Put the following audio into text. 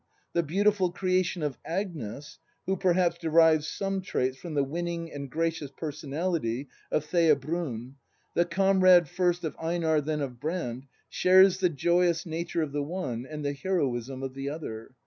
The beautiful creation of Agnes (who perhaps derives some traits from the winning and gracious personality of Thea Bruun), the comrade first of Einar, then of Brand, shares the joyous nature of the one and the heroism of the other.